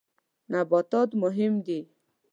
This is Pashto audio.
نباتات مهم دي.